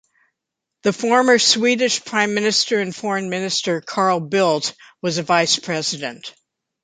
The former Swedish Prime Minister and Foreign Minister Carl Bildt was a Vice President.